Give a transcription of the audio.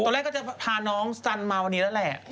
ก็จะพาน้องสันมาวันนี้แล้วแหละ